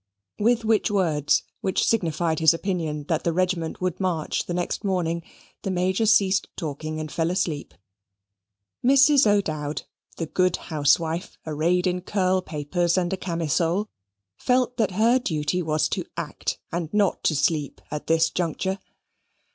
With which words, which signified his opinion that the regiment would march the next morning, the Major ceased talking, and fell asleep. Mrs. O'Dowd, the good housewife, arrayed in curl papers and a camisole, felt that her duty was to act, and not to sleep, at this juncture.